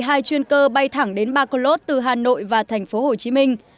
hai chuyên cơ bay thẳng đến bacolod từ hà nội và thành phố hồ chí minh